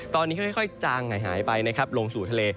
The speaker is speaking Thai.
ตอนนี้ค่อยจางหายไปนะครับลงสู่ทะเล